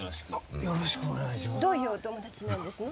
どういうお友達なんですの？